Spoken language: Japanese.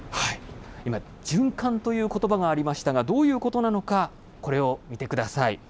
今、循環ということばがありましたが、どういうことなのか、これを見てください。